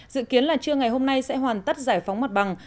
dự kiến là trưa ngày hôm nay sẽ hoàn tất giải phóng mặt bằng